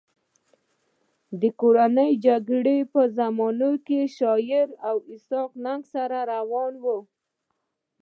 د کورنۍ جګړې په زمانه کې له شاعر اسحق ننګیال سره روان وم.